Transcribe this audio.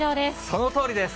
そのとおりです。